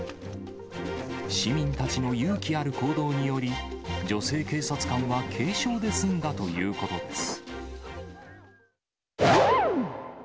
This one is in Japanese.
市民たちの勇気ある行動により、女性警察官は軽傷で済んだということです。